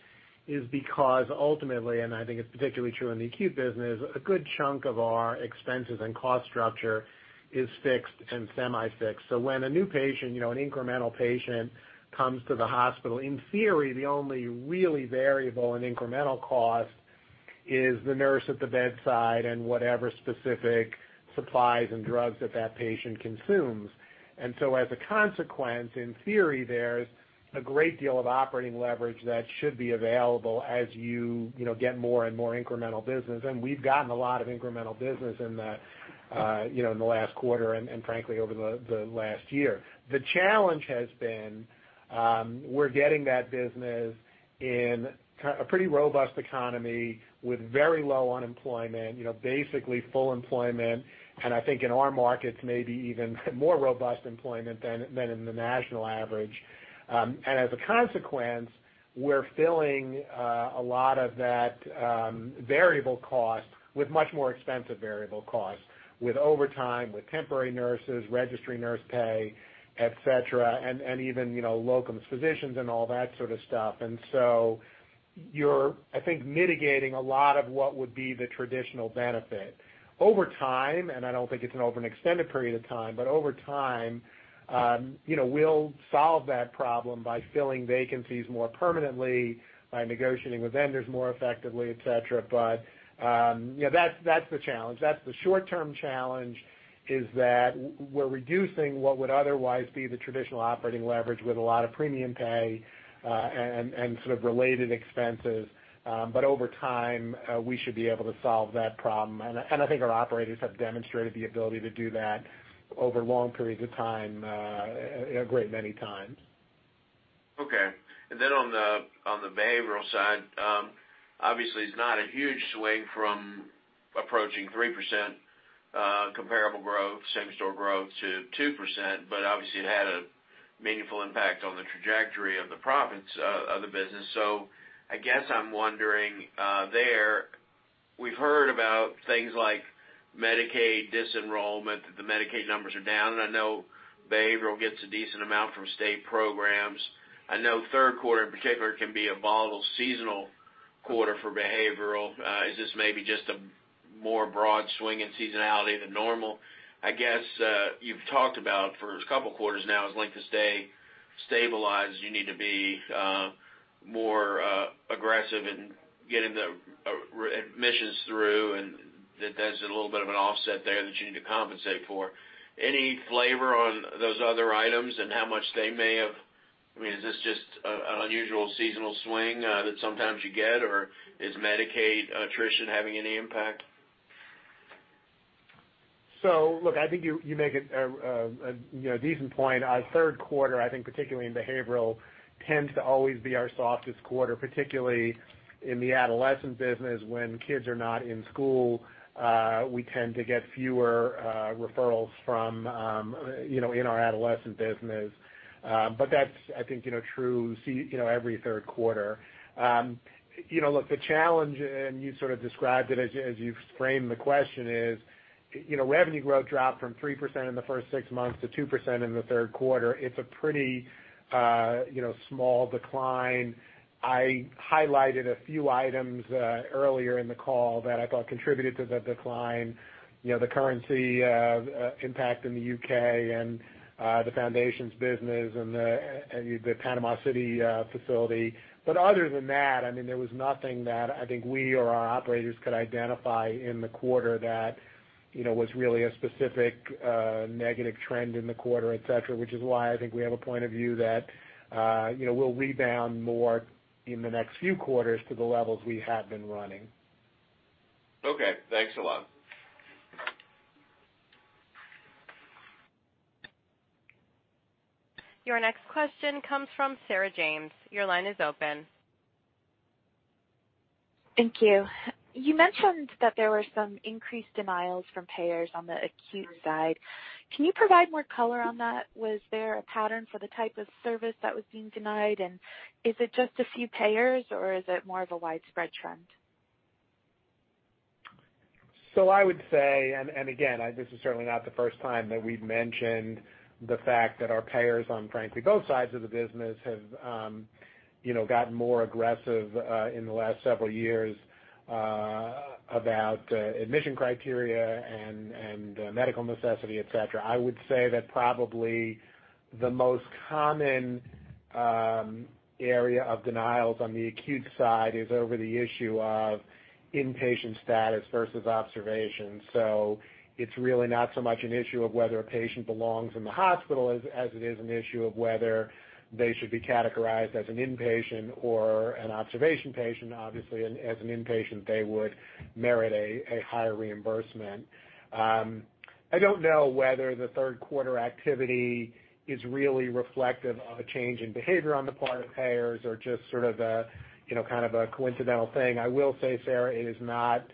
because ultimately, and I think it's particularly true in the acute business, a good chunk of our expenses and cost structure is fixed and semi-fixed. When a new patient, an incremental patient, comes to the hospital, in theory, the only really variable and incremental cost is the nurse at the bedside and whatever specific supplies and drugs that that patient consumes. As a consequence, in theory, there's a great deal of operating leverage that should be available as you get more and more incremental business. We've gotten a lot of incremental business in the last quarter and frankly, over the last year. The challenge has been, we're getting that business in a pretty robust economy with very low unemployment, basically full employment, and I think in our markets, maybe even more robust employment than in the national average. As a consequence, we're filling a lot of that variable cost with much more expensive variable cost, with overtime, with temporary nurses, registry nurse pay, et cetera, and even locum physicians and all that sort of stuff. So you're, I think, mitigating a lot of what would be the traditional benefit. Over time, and I don't think it's over an extended period of time, but over time, we'll solve that problem by filling vacancies more permanently, by negotiating with vendors more effectively, et cetera. That's the challenge. That's the short-term challenge, is that we're reducing what would otherwise be the traditional operating leverage with a lot of premium pay and sort of related expenses. Over time, we should be able to solve that problem, and I think our operators have demonstrated the ability to do that over long periods of time, a great many times. Okay. On the behavioral side, obviously, it's not a huge swing from approaching 3% comparable growth, same-store growth, to 2%, but obviously, it had a meaningful impact on the trajectory of the profits of the business. I guess I'm wondering there, we've heard about things like Medicaid dis-enrollment, that the Medicaid numbers are down, and I know behavioral gets a decent amount from state programs. I know third quarter in particular can be a volatile seasonal quarter for behavioral. Is this maybe just a more broad swing in seasonality than normal? I guess, you've talked about for a couple of quarters now, as length of stay stabilizes, you need to be more aggressive in getting the admissions through and that's a little bit of an offset there that you need to compensate for. Any flavor on those other items and how much they may have? Is this just an unusual seasonal swing that sometimes you get, or is Medicaid attrition having any impact? Look, I think you make a decent point. Third quarter, I think particularly in behavioral, tends to always be our softest quarter, particularly in the adolescent business. When kids are not in school, we tend to get fewer referrals from in our adolescent business. That's, I think, true every third quarter. Look, the challenge, and you sort of described it as you framed the question is, revenue growth dropped from 3% in the first six months to 2% in the third quarter. It's a pretty small decline. I highlighted a few items earlier in the call that I thought contributed to the decline. The currency impact in the U.K. and the Foundations Recovery Network and the Panama City facility. Other than that, there was nothing that I think we or our operators could identify in the quarter that was really a specific negative trend in the quarter, et cetera, which is why I think we have a point of view that we'll rebound more in the next few quarters to the levels we have been running. Okay. Thanks a lot. Your next question comes from Sarah James. Your line is open. Thank you. You mentioned that there were some increased denials from payers on the acute side. Can you provide more color on that? Was there a pattern for the type of service that was being denied, is it just a few payers or is it more of a widespread trend? I would say, and again, this is certainly not the first time that we've mentioned the fact that our payers on frankly both sides of the business have gotten more aggressive in the last several years about admission criteria and medical necessity, et cetera. I would say that probably the most common area of denials on the acute side is over the issue of inpatient status versus observation. It's really not so much an issue of whether a patient belongs in the hospital as it is an issue of whether they should be categorized as an inpatient or an observation patient. Obviously, as an inpatient, they would merit a higher reimbursement. I don't know whether the third quarter activity is really reflective of a change in behavior on the part of payers or just sort of a coincidental thing. I will say, Sarah, it is not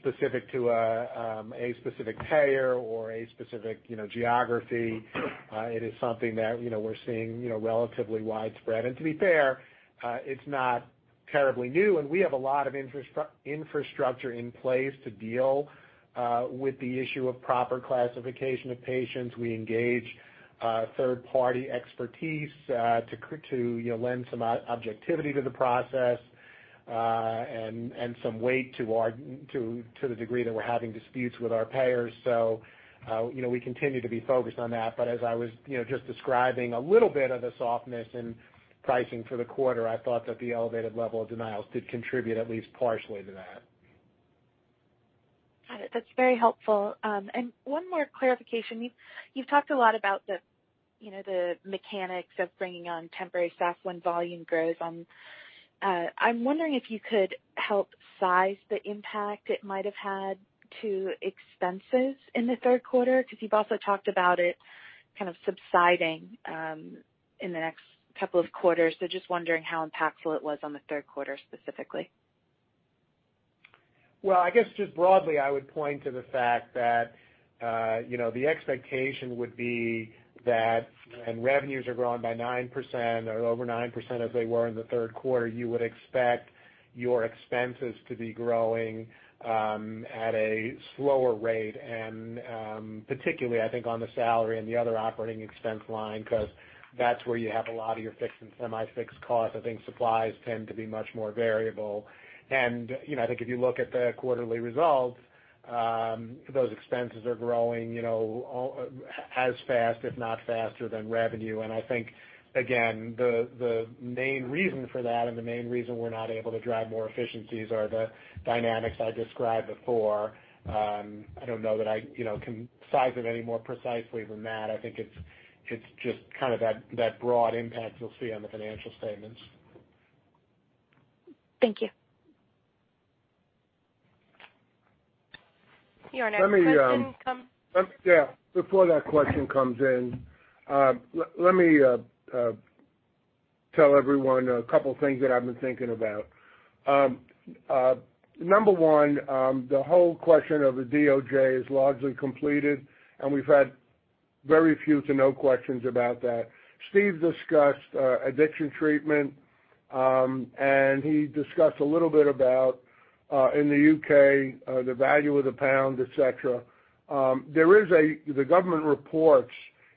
specific to a specific payer or a specific geography. To be fair, it's not terribly new, and we have a lot of infrastructure in place to deal with the issue of proper classification of patients. We engage third-party expertise to lend some objectivity to the process and some weight to the degree that we're having disputes with our payers. We continue to be focused on that. As I was just describing a little bit of the softness in pricing for the quarter, I thought that the elevated level of denials did contribute at least partially to that. Got it. That's very helpful. One more clarification. You've talked a lot about the mechanics of bringing on temporary staff when volume grows. I'm wondering if you could help size the impact it might have had to expenses in the third quarter, because you've also talked about it kind of subsiding in the next couple of quarters. Just wondering how impactful it was on the third quarter specifically. Well, I guess just broadly, I would point to the fact that the expectation would be that when revenues are growing by 9% or over 9% as they were in the third quarter, you would expect your expenses to be growing at a slower rate, and particularly, I think on the salary and the other operating expense line, because that's where you have a lot of your fixed and semi-fixed costs. I think supplies tend to be much more variable. I think if you look at the quarterly results, those expenses are growing as fast, if not faster, than revenue. I think, again, the main reason for that and the main reason we're not able to drive more efficiencies are the dynamics I described before. I don't know that I can size it any more precisely than that. I think it's just that broad impact you'll see on the financial statements. Thank you. Your next question come- Yeah, before that question comes in, let me tell everyone a couple things that I've been thinking about. Number one, the whole question of the DOJ is largely completed, and we've had very few to no questions about that. Steve discussed addiction treatment, and he discussed a little bit about, in the U.K., the value of the pound, et cetera. There is the government reports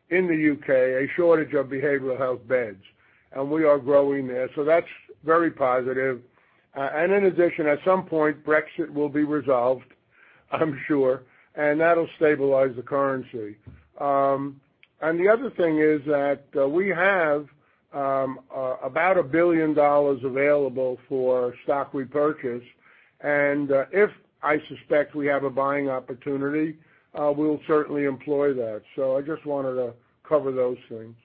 in the U.K. a shortage of behavioral health beds, and we are growing there. That's very positive. In addition, at some point, Brexit will be resolved, I'm sure, and that'll stabilize the currency. The other thing is that we have about $1 billion available for stock repurchase, and if I suspect we have a buying opportunity, we'll certainly employ that. I just wanted to cover those things.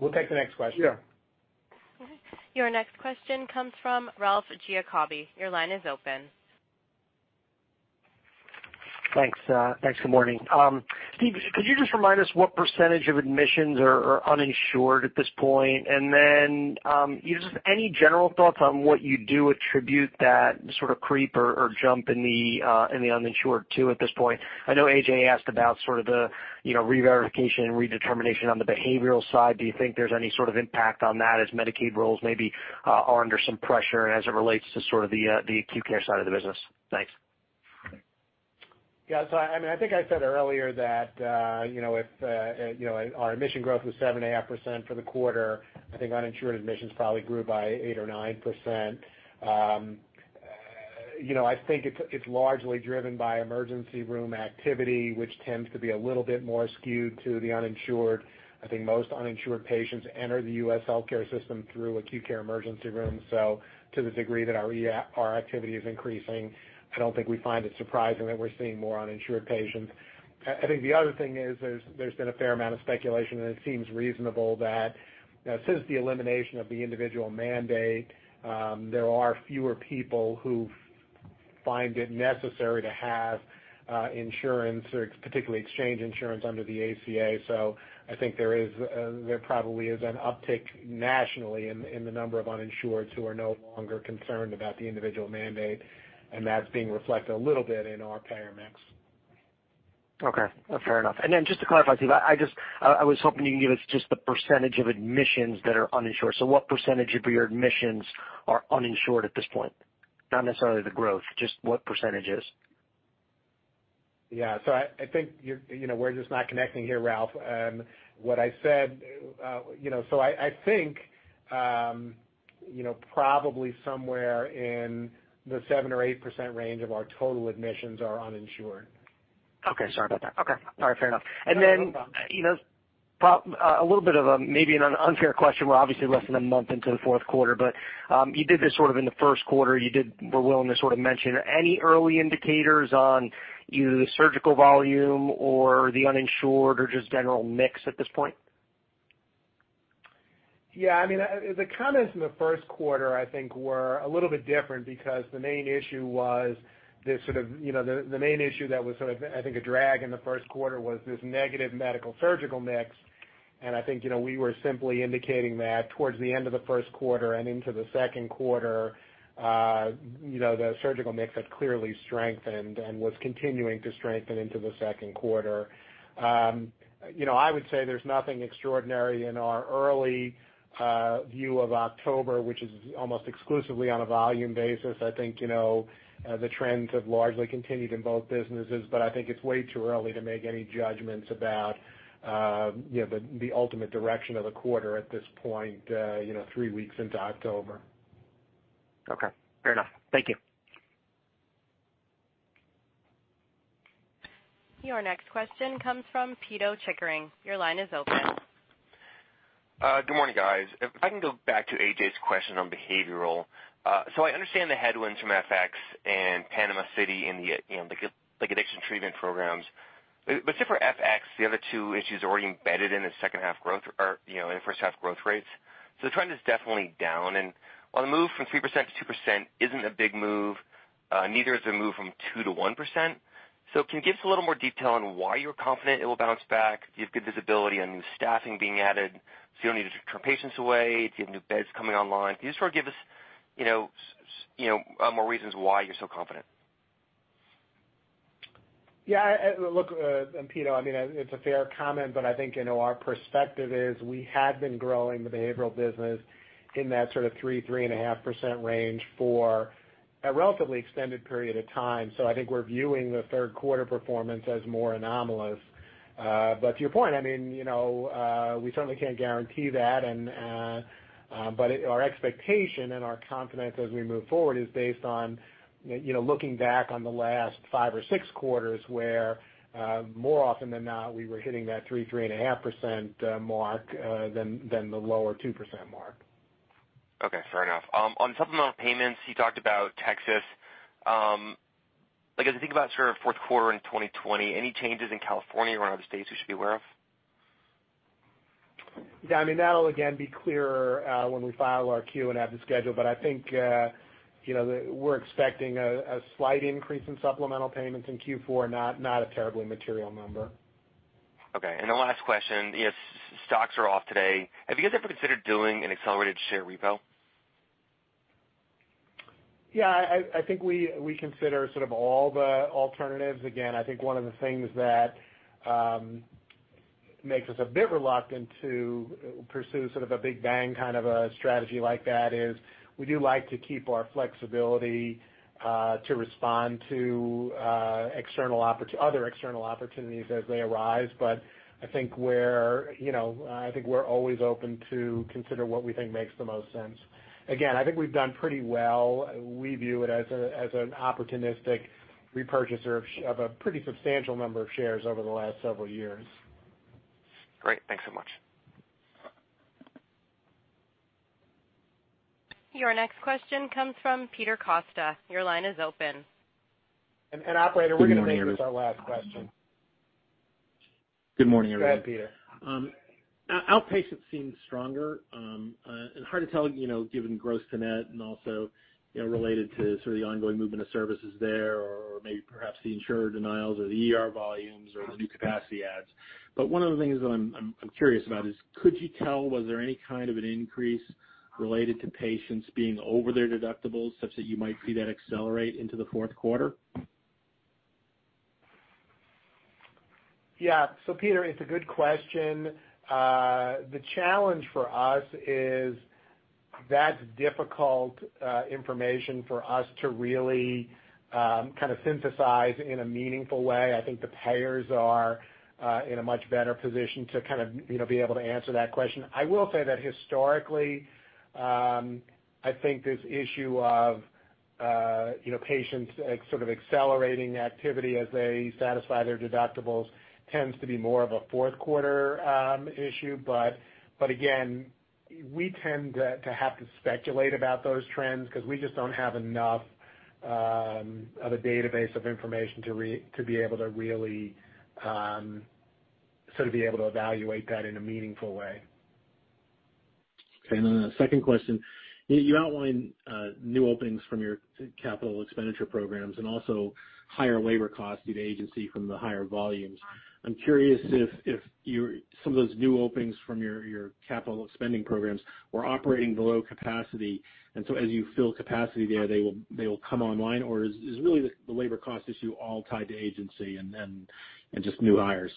We'll take the next question. Yeah. Okay. Your next question comes from Ralph Giacobbe. Your line is open. Thanks. Good morning. Steve, could you just remind us what percentage of admissions are uninsured at this point? Just any general thoughts on what you do attribute that sort of creep or jump in the uninsured to at this point? I know A.J. asked about sort of the reverification, redetermination on the behavioral side. Do you think there's any sort of impact on that as Medicaid rolls maybe are under some pressure as it relates to sort of the acute care side of the business? Thanks. I think I said earlier that if our admission growth was 7.5% for the quarter, I think uninsured admissions probably grew by 8 or 9%. I think it's largely driven by emergency room activity, which tends to be a little bit more skewed to the uninsured. I think most uninsured patients enter the U.S. healthcare system through acute care emergency rooms. To the degree that our activity is increasing, I don't think we find it surprising that we're seeing more uninsured patients. I think the other thing is there's been a fair amount of speculation, and it seems reasonable that since the elimination of the individual mandate, there are fewer people who find it necessary to have insurance or particularly exchange insurance under the ACA. I think there probably is an uptick nationally in the number of uninsureds who are no longer concerned about the individual mandate, and that's being reflected a little bit in our payer mix. Okay. Fair enough. Then just to clarify, Steve, I was hoping you could give us just the percentage of admissions that are uninsured. What percentage of your admissions are uninsured at this point? Not necessarily the growth, just what percentages. Yeah. I think we're just not connecting here, Ralph. I think probably somewhere in the 7% or 8% range of our total admissions are uninsured. Okay. Sorry about that. Okay. All right. Fair enough. No problem. Then, a little bit of maybe an unfair question. We're obviously less than a month into the fourth quarter, but you did this sort of in the first quarter. You were willing to sort of mention any early indicators on either the surgical volume or the uninsured or just general mix at this point? Yeah, the comments in the first quarter, I think, were a little bit different because the main issue that was, I think, a drag in the first quarter was this negative medical surgical mix. I think we were simply indicating that towards the end of the first quarter and into the second quarter, the surgical mix had clearly strengthened and was continuing to strengthen into the second quarter. I would say there's nothing extraordinary in our early view of October, which is almost exclusively on a volume basis. I think the trends have largely continued in both businesses, but I think it's way too early to make any judgments about the ultimate direction of the quarter at this point three weeks into October. Okay. Fair enough. Thank you. Your next question comes from Pito Chickering. Your line is open. Good morning, guys. If I can go back to A.J.'s question on behavioral. I understand the headwinds from FX and Panama City in the addiction treatment programs. Except for FX, the other two issues are already embedded in the first half growth rates. The trend is definitely down, and while the move from 3%-2% isn't a big move, neither is the move from 2%-1%. Can you give us a little more detail on why you're confident it will bounce back? Do you have good visibility on new staffing being added, so you don't need to turn patients away? Do you have new beds coming online? Can you just give us more reasons why you're so confident? Yeah. Look, Pito, it's a fair comment, but I think our perspective is we have been growing the behavioral business in that sort of 3%-3.5% range for a relatively extended period of time. I think we're viewing the third quarter performance as more anomalous. To your point, we certainly can't guarantee that, but our expectation and our confidence as we move forward is based on looking back on the last five or six quarters where more often than not, we were hitting that 3%-3.5% mark than the lower 2% mark. Okay. Fair enough. On supplemental payments, you talked about Texas. As you think about sort of fourth quarter in 2020, any changes in California or other states we should be aware of? That'll again be clearer when we file our Q and have the schedule, but I think we're expecting a slight increase in supplemental payments in Q4, not a terribly material number. Okay. The last question, stocks are off today. Have you guys ever considered doing an accelerated share repo? Yeah, I think we consider sort of all the alternatives. I think one of the things that makes us a bit reluctant to pursue sort of a big bang kind of a strategy like that is we do like to keep our flexibility to respond to other external opportunities as they arise. I think we're always open to consider what we think makes the most sense. I think we've done pretty well. We view it as an opportunistic repurchaser of a pretty substantial number of shares over the last several years. Great. Thanks so much. Your next question comes from Peter Costa. Your line is open. Operator, we're going to make this our last question. Good morning, everyone. Go ahead, Peter. Outpatients seem stronger, and hard to tell, given gross to net and also, related to sort of the ongoing movement of services there, or maybe perhaps the insurer denials or the ER volumes or the new capacity adds. One of the things that I'm curious about is, could you tell, was there any kind of an increase related to patients being over their deductibles such that you might see that accelerate into the fourth quarter? Yeah. Pito, it's a good question. The challenge for us is that's difficult information for us to really kind of synthesize in a meaningful way. I think the payers are in a much better position to be able to answer that question. I will say that historically, I think this issue of patients sort of accelerating activity as they satisfy their deductibles tends to be more of a fourth quarter issue. Again, we tend to have to speculate about those trends because we just don't have enough of a database of information to be able to evaluate that in a meaningful way. Okay, a second question. You outlined new openings from your capital expenditure programs and also higher labor costs due to agency from the higher volumes. I'm curious if some of those new openings from your capital spending programs were operating below capacity, and so as you fill capacity there, they will come online, or is really the labor cost issue all tied to agency and just new hires?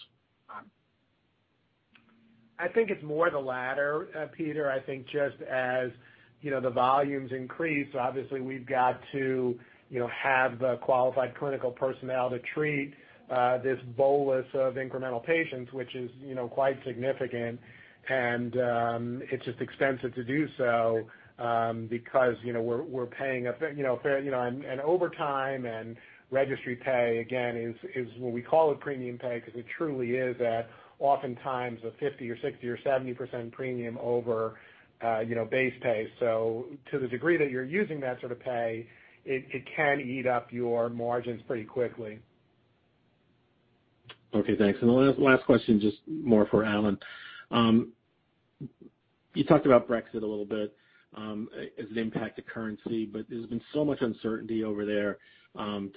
I think it's more the latter, Peter. I think just as the volumes increase, obviously we've got to have the qualified clinical personnel to treat this bolus of incremental patients, which is quite significant. It's just expensive to do so, because we're paying and overtime and registry pay, again, is what we call a premium pay because it truly is at oftentimes a 50% or 60% or 70% premium over base pay. To the degree that you're using that sort of pay, it can eat up your margins pretty quickly. Okay, thanks. The last question, just more for Alan. You talked about Brexit a little bit as it impacted currency, but there's been so much uncertainty over there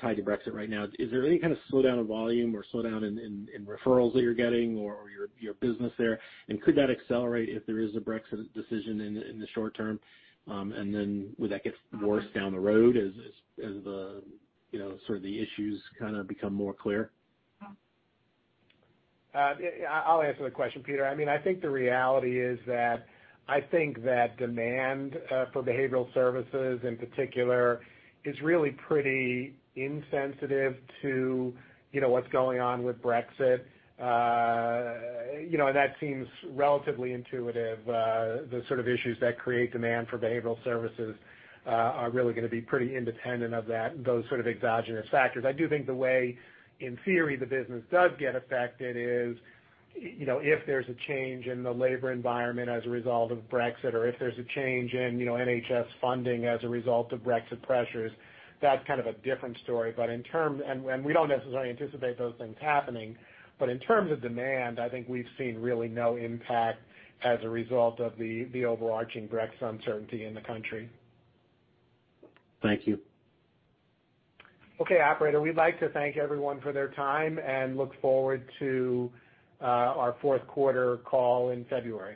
tied to Brexit right now. Is there any kind of slowdown in volume or slowdown in referrals that you're getting or your business there? Could that accelerate if there is a Brexit decision in the short term? Would that get worse down the road as the sort of the issues become more clear? I'll answer the question, Peter. I think the reality is that I think that demand for behavioral services in particular is really pretty insensitive to what's going on with Brexit. That seems relatively intuitive. The sort of issues that create demand for behavioral services are really going to be pretty independent of those sort of exogenous factors. I do think the way, in theory, the business does get affected is, if there's a change in the labor environment as a result of Brexit, or if there's a change in NHS funding as a result of Brexit pressures, that's kind of a different story. We don't necessarily anticipate those things happening, but in terms of demand, I think we've seen really no impact as a result of the overarching Brexit uncertainty in the country. Thank you. Okay, Operator, we'd like to thank everyone for their time and look forward to our fourth quarter call in February.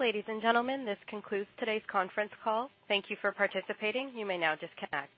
Ladies and gentlemen, this concludes today's conference call. Thank you for participating. You may now disconnect.